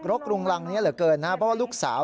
โรครุงรังนี้เหลือเกินนะครับ